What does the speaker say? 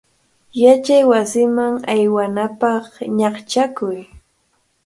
Yachaywasiman aywanapaq ñaqchakuy.